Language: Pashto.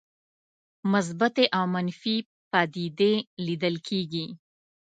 مثبتې او منفي پدیدې لیدل کېږي.